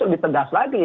lebih tegas lagi